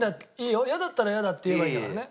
イヤだったらイヤだって言えばいいんだからね。